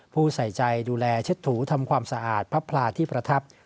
ผู้ใส่ใจดูแลเช็ดถูทำความสะอาดพระพลาที่ประทับ